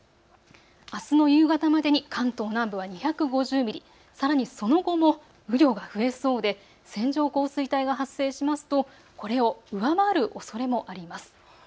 あすの夕方までに関東南部は２５０ミリ、さらにその後も雨量が増えそうで線状降水帯が発生しますとこれを上回るおそれもあります。